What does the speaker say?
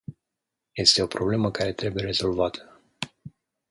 Este o problemă care trebuie rezolvată.